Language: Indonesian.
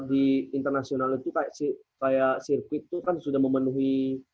di internasional itu kayak sirkuit tuh kan sudah memenuhi